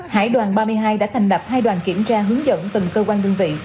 hải đoàn ba mươi hai đã thành lập hai đoàn kiểm tra hướng dẫn từng cơ quan đơn vị